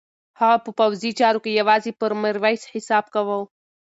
هغه په پوځي چارو کې یوازې پر میرویس حساب کاوه.